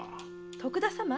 徳田様？